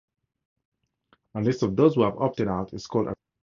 A list of those who have opted out is called a Robinson list.